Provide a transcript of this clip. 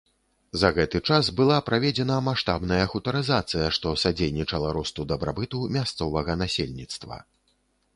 За гэты час была праведзена маштабная хутарызацыя, што садзейнічала росту дабрабыту мясцовага насельніцтва.